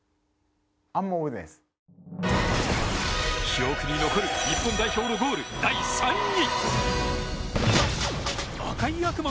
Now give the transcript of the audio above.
記憶に残る日本代表のゴール第３位。